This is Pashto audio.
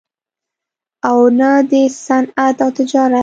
او نه دَصنعت او تجارت